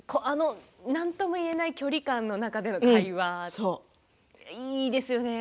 なんともいえない距離感の中での会話、いいですよね。